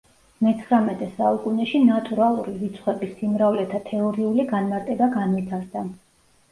მეცხრამეტე საუკუნეში ნატურალური რიცხვების სიმრავლეთა თეორიული განმარტება განვითარდა.